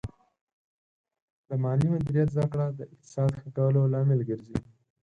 د مالي مدیریت زده کړه د اقتصاد ښه کولو لامل ګرځي.